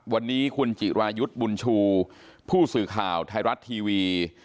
วันนี้คุณจิรายุทธ์บุญชูผู้สื่อข่าวไทยรัฐทีวี